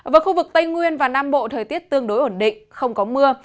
với khu vực tây nguyên và nam bộ thời tiết tương đối ổn định không có mưa